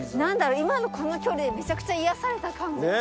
今のこの距離でめちゃくちゃ癒やされた感じがする。